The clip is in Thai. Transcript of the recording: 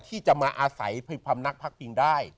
ที่จะมาอาศัยความนักพักปิงได้